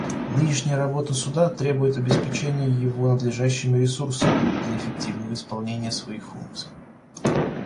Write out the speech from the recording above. Нынешняя работа Суда требует обеспечения его надлежащими ресурсами для эффективного исполнения своих функций.